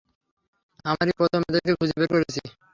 আমরাই প্রথম এদেরকে খুঁজে বের করেছি।